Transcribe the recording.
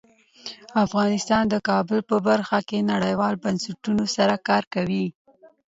افغانستان د کابل په برخه کې نړیوالو بنسټونو سره کار کوي.